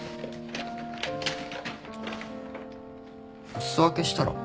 お裾分けしたら？